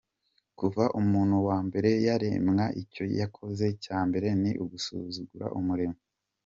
Kuva umuntu wa mbere yaremwa, icyo yakoze cya mbere ni ugusuzugura Umuremyi.